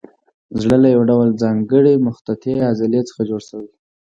زړه له یو ډول ځانګړې مخططې عضلې څخه جوړ شوی.